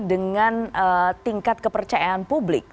dengan tingkat kepercayaan publik